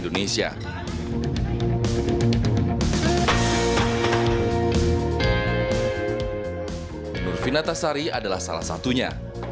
nurvina tasari adalah salah satunya